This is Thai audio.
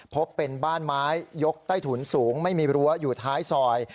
พบเป็นบ้านไม้ยกใต้ถุนสูงไม่มีรั้วอยู่ท้ายซอย